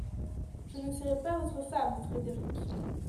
Je ne serai pas votre femme, Frédéric.